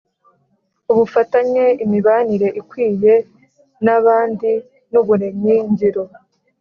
ubufatanye, imibanire ikwiye n’abandi n’ubumenyi ngiro